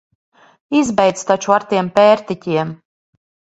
Izbeidz taču ar tiem pērtiķiem!